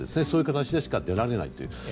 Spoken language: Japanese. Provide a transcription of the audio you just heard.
そういう形でしか出られないという。